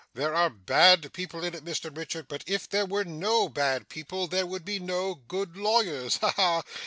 There are bad people in it, Mr Richard, but if there were no bad people, there would be no good lawyers. Ha ha!